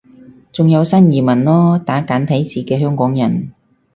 仲有新移民囉，打簡體字嘅香港人